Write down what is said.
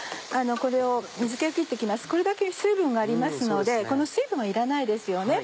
これだけ水分がありますのでこの水分はいらないですよね。